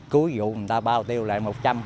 cuối vụ người ta bao tiêu lại một trăm linh